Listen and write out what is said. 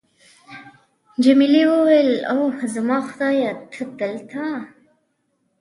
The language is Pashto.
جميلې وويل:: اوه، زما خدایه، ته دلته!